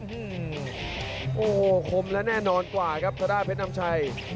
นี่ครับโอ้โหคมและแน่นอนกว่าครับซาด้าเพชรน้ำชัย